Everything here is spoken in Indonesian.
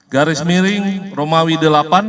garis miring romawi delapan